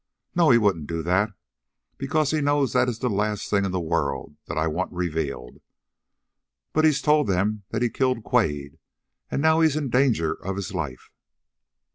"No, he wouldn't do that, because he knows that is the last thing in the world that I want revealed. But he's told them that he killed Quade, and now he's in danger of his life."